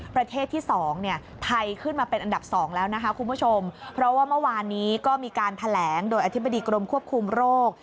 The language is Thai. ประเทศที่สองเนี่ยไทยขึ้นมาเป็นอันดับสองแล้วนะคะคุณผู้ชมเพราะว่าเมื่อวานนี้ก็มีการแถลงโดยอธิบดีกรมควบคุมโรค